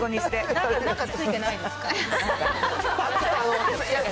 なんかついてないですか？